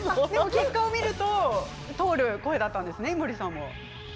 結果を見ると通る声だったんですね、井森さん。